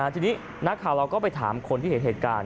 ทีนี้นักข่าวเราก็ไปถามคนที่เห็นเหตุการณ์